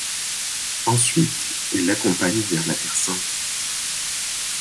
Ensuite, il l'accompagne vers la Terre sainte.